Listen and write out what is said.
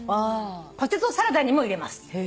ポテトサラダにも入れます。